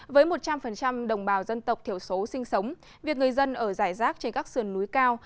với một trăm linh đồng bào dân tộc thiểu số sinh sống việc người dân ở giải rác trên các sườn núi cao